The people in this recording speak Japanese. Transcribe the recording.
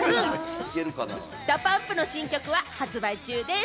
ＤＡＰＵＭＰの新曲は発売中です。